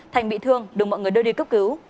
thành bị thương được mọi người đưa đi cấp cứu